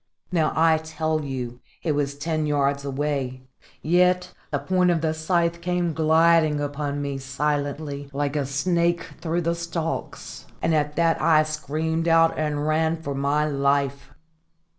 Now, I tell you, it was ten yards away, yet the point of the scythe came gliding upon me silently, like a snake, through the stalks, and at that I screamed out and ran for my life.